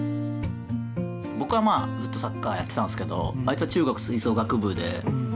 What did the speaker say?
僕はずっとサッカーをやってたんですけどあいつは中学、吹奏楽部で。